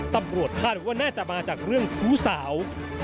ตำรวจคาดว่าน่าจะมาจากเรื่องชู้สาว